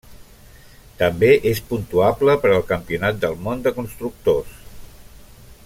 També és puntuable per al Campionat del món de constructors.